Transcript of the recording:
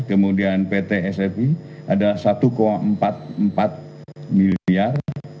kemudian pt sfi ada satu empat puluh empat miliar